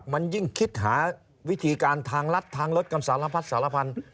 มันยิ่งคิดหาวิธีการทางรัฐทางรถกันสารพัดสารพันธุ์